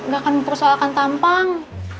gak akan mempersoalkan tampang